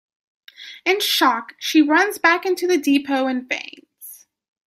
In shock, she runs back into the depot and faints.